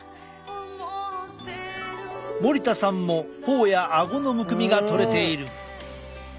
森田さんもほおやあごのむくみが取れている。